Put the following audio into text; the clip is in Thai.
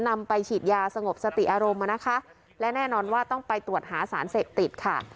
นำไปฉีดยาสงบสติอารมณ์มานะคะและแน่นอนว่าต้องไปตรวจหาสารเสพติดค่ะ